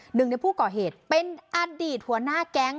หนึ่งในผู้ก่อเหตุเป็นอดีตหัวหน้าแก๊ง